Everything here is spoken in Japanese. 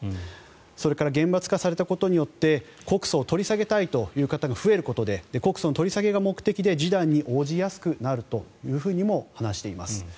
それから厳罰化されたことによって告訴を取り下げたいという方が増えることで告訴の取り下げが目的で示談に応じやすくなるとも話しています。